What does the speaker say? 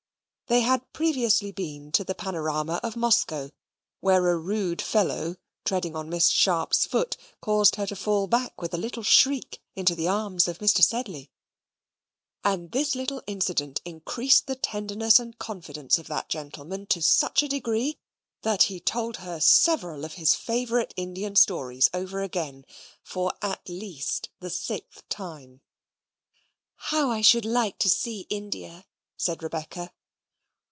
They had previously been to the panorama of Moscow, where a rude fellow, treading on Miss Sharp's foot, caused her to fall back with a little shriek into the arms of Mr. Sedley, and this little incident increased the tenderness and confidence of that gentleman to such a degree, that he told her several of his favourite Indian stories over again for, at least, the sixth time. "How I should like to see India!" said Rebecca.